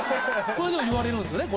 これでも言われるんですよね